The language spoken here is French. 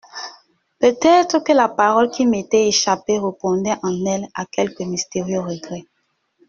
Peut-être que la parole qui m'était échappée répondait en elle à quelque mystérieux regret.